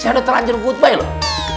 saya udah terlanjur footbay loh